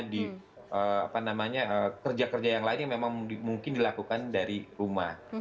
dan apa namanya kerja kerja yang lainnya memang mungkin dilakukan dari rumah